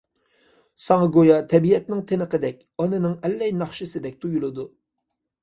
ساڭا گويا تەبىئەتنىڭ تىنىقىدەك، ئانىنىڭ ئەللەي ناخشىسىدەك تۇيۇلىدۇ.